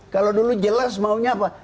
kalau dulu jelas maunya apa